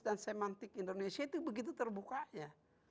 dan semantik indonesia itu begitu terbukanya